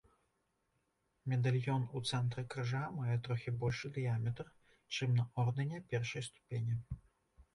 Медальён у цэнтры крыжа мае трохі большы дыяметр, чым на ордэне першай ступені.